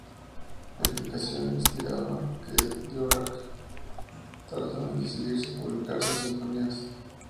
La explicación estriba en que Dvořák tardó en decidirse a publicar sus sinfonías.